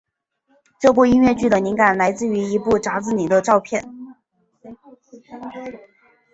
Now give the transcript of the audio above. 这部音乐剧的灵感来自于一本杂志里的照片。